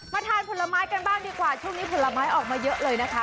ทานผลไม้กันบ้างดีกว่าช่วงนี้ผลไม้ออกมาเยอะเลยนะคะ